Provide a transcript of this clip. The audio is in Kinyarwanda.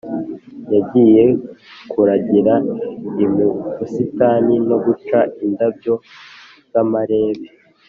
Yagiye kuragira l mu busitani no guca indabyo z amarebe